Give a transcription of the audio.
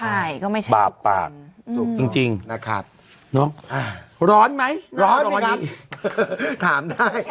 ใช่ก็ไม่ใช่หลักสิบหรอกจริงนะครับร้อนไหมร้อนสิครับถามได้